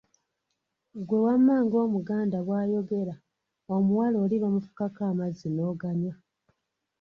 Ggwe wamma ng’omuganda bw’ayogera, omuwala oli bamufukako amazzi n’oganywa!